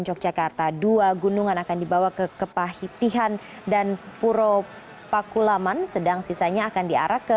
yogyakarta dua gunungan akan dibawa ke kepahitihan dan puro pakulaman sedang sisanya akan diarah ke